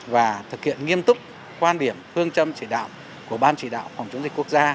và thực hiện nghiêm túc quan điểm phương châm chỉ đạo của ban chỉ đạo phòng chống dịch quốc gia